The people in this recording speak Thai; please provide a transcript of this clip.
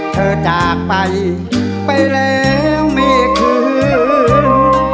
จากไปไปแล้วไม่คืน